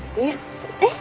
えっ？